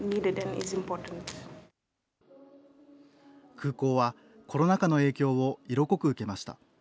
空港はコロナ禍の影響を色濃く受けました。